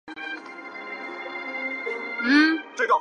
市内有一城市博物馆和一个画廊。